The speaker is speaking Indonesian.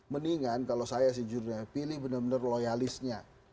mendingan kalau saya sih jurnalnya pilih benar benar loyalisnya